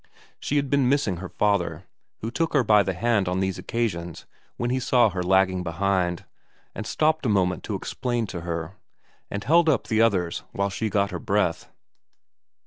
She had been missing her father, who took her by the hand on these occasions when he saw her lagging behind, and stopped a moment to explain to her, and held up the others while she got her breath.